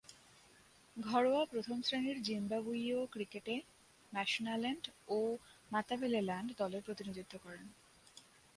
ঘরোয়া প্রথম-শ্রেণীর জিম্বাবুয়ীয় ক্রিকেটে ম্যাশোনাল্যান্ড ও মাতাবেলেল্যান্ড দলের প্রতিনিধিত্ব করেন।